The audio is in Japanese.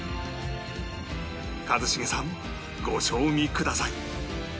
一茂さんご賞味ください